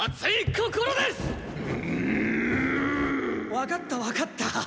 わかったわかった。